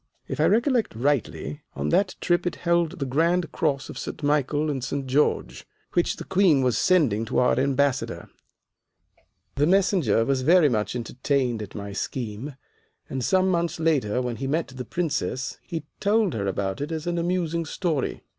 If I recollect rightly, on that trip it held the grand cross of St. Michael and St. George, which the Queen was sending to our Ambassador. The Messenger was very much entertained at my scheme, and some months later when he met the Princess he told her about it as an amusing story.